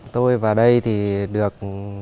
tôi vào đây thì được